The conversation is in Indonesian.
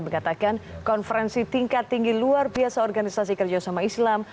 mengatakan konferensi tingkat tinggi luar biasa organisasi kerjasama islam